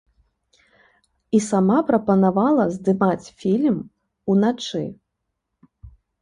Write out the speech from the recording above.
І сама прапанавала здымаць фільм уначы.